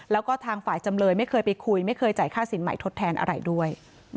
แล้วก็ทางฝ่ายจำเลยไม่เคยไปคุยไม่เคยจ่ายค่าสินใหม่ทดแทนอะไรด้วย